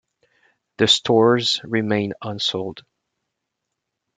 The stores remained unsold.